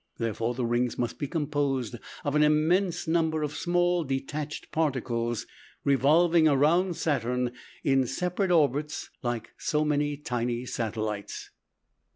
Therefore, the rings must be composed of an immense number of small detached particles, revolving around Saturn in separate orbits, like so many tiny satellites.